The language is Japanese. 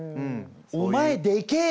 「お前でけえ！」